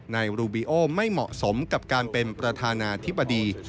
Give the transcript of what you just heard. นายโดนัลด์ทรัมป์ไม่เหมาะสมกับการเป็นประธานาธิบดี